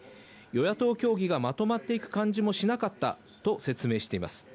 与野党協議がまとまっていく感じもしなかったと説明しています。